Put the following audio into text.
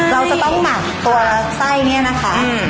เราจะต้องหมักตัวไส้เนี่ยนะคะ